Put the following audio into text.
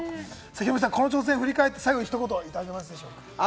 ヒロミさん、この挑戦を振り返って、最後にひと言いただけますか？